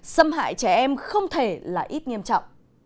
xâm hại trẻ em không thể là ít nghiêm trọng